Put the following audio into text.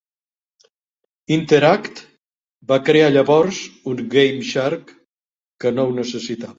InterAct va crear llavors un GameShark que no ho necessitava.